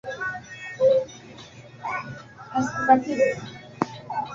kutokana na janga hilo na ufaransa tayari imetuma ndege kuchukuwa